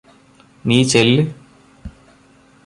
നീ ചെല്ല്